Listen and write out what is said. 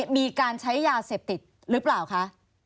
มีการใช้ยาเสพติดหรือเปล่าคะ